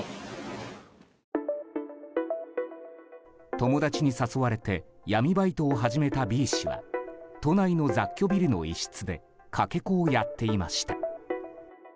友達に誘われて闇バイトを始めたＢ氏は都内の雑居ビルの一室でかけ子をやっていました。